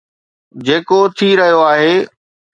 جيڪو ٿي رهيو آهي